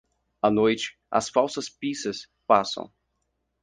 À noite, as falsas pissas passam.